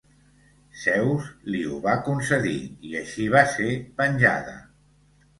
Zeus li ho va concedir, i així va ser venjada.